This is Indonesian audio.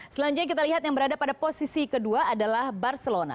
selanjutnya kita lihat yang berada pada posisi kedua adalah barcelona